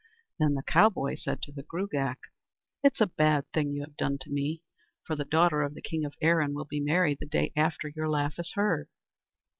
Then the cowboy said to the Gruagach: "It's a bad thing you have done to me, for the daughter of the king of Erin will be married the day after your laugh is heard."